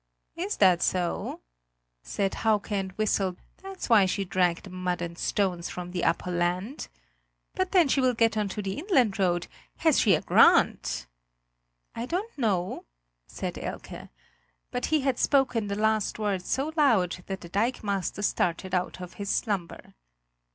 "Is that so?" said Hauke and whistled low through his teeth, "that's why she dragged mud and stones from the upper land. But then she will get on to the inland road; has she a grant?" "I don't know," said Elke. But he had spoken the last word so loud that the dikemaster started out of his slumber.